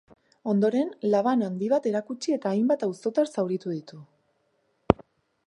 Ondoren, laban handi bat erakutsi eta hainbat auzotar zauritu ditu.